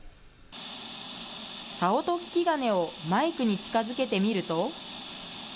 些音聞金をマイクに近づけてみると。